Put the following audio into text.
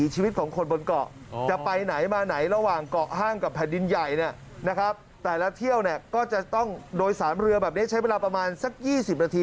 จะต้องโดยสารเรือแบบนี้ใช้เวลาประมาณสัก๒๐นาที